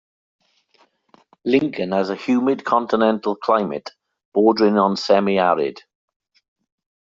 Lincoln has a humid continental climate bordering on semi-arid.